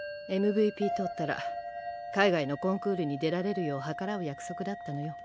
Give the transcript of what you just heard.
ＭＶＰ取ったら海外のコンクールに出られるよう計らう約束だったのよ。